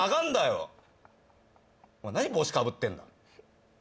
何帽子かぶってんだ